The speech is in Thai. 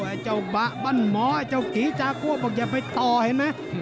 ไอ้เจ้าบะบ้านหมอไอ้เจ้ากีจากัวบอกอย่าไปต่อเห็นไหม